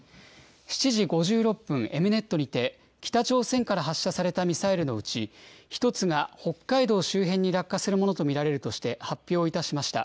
７時５６分、エムネットにて、北朝鮮から発射されたミサイルのうち、１つが北海道周辺に落下するものと見られるとして、発表をいたしました。